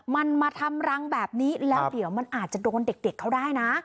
มันมาทำรังแบบนี้แล้วเดี๋ยวมันอาจจะโดนเด็กเขาได้นะ